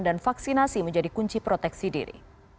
dan vaksinasi menjadi kunci proteksi diri